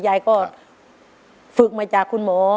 ยายก็ฝึกมาจากคุณหมอ